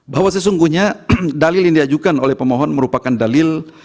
bahwa sesungguhnya dalil yang diajukan oleh pemohon merupakan dalil